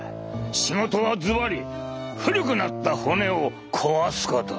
仕事はずばり古くなった骨を壊すこと！